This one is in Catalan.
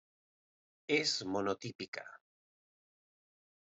És monotípica.